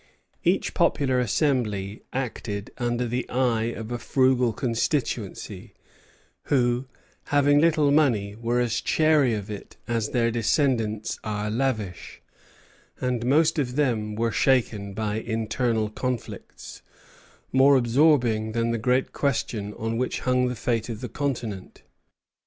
Each popular assembly acted under the eye of a frugal constituency, who, having little money, were as chary of it as their descendants are lavish; and most of them were shaken by internal conflicts, more absorbing than the great question on which hung the fate of the continent.